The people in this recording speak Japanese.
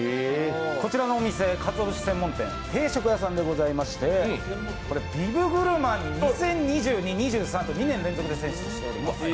こちらのお店、かつお節専門店定食屋さんでございましてこれビブグルマン２０２２、２０２３２年連続で選出されています。